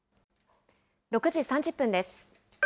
６時３０分です。